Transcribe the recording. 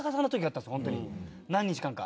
何日間か。